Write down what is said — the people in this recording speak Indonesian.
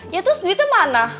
ya terus duitnya mana